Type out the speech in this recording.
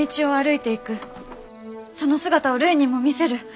その姿をるいにも見せる。